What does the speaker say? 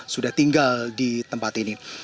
sudah tinggal di tempat ini